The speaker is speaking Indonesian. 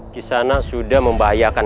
kisah nabi sudah membahayakan